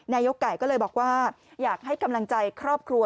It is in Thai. นายกไก่ก็เลยบอกว่าอยากให้กำลังใจครอบครัว